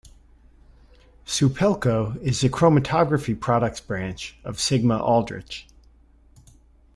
Supelco is the chromatography products branch of Sigma-Aldrich.